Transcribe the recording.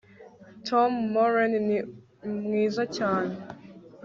tom, maureen ni mwiza cyane